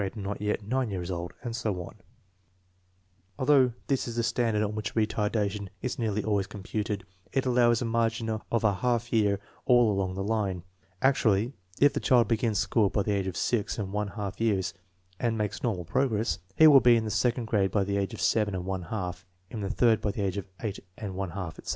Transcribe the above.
MENTAL TESTS OF SCHOOL LAGGABDS 118 years old, if in the second grade and not yet nine years old, and so on* Although this is the standard on which retardation is nearly always computed, it allows a margin of a half year all along the line. Actually, if the child begins school by the age of six and one half years and makes normal progress, he will be in the second grade by the age of seven and one half, in the third by the age of eight and one half, etc.